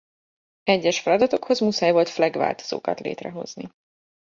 Egyes feladatokhoz muszáj volt flag változókat létrehozni.